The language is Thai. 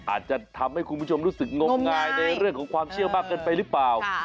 อาจจะทำให้คุณผู้ชมรู้สึกงมงายในเรื่องของความเชื่อมากเกินไปหรือเปล่า